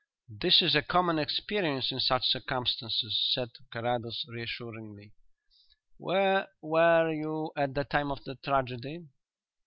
"That is a common experience in such circumstances," said Carrados reassuringly. "Where were you at the time of the tragedy?"